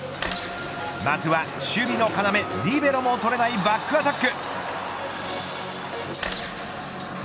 まずは守備の要リベロも取れないバックアタック。